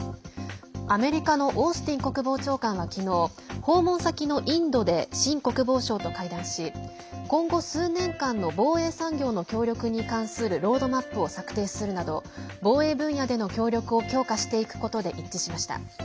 アメリカのオースティン国防長官は昨日訪問先のインドでシン国防相と会談し今後数年間の防衛産業の協力に関するロードマップを策定するなど防衛分野での協力を強化していくことで一致しました。